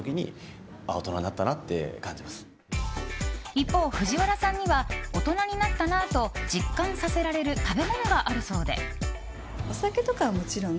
一方、藤原さんには大人になったなと実感させられる食べ物があるそうで。